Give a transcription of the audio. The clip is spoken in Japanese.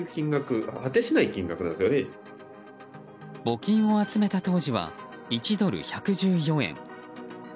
募金を集めた当時は１ドル＝１１４円。